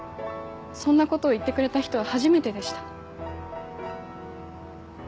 そんなことを言ってくれた人は初めてでした。